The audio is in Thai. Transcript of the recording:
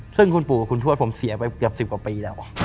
ซึ่งคุณปู่กับคุณทวดผมเสียไปเกือบ๑๐กว่าปีแล้ว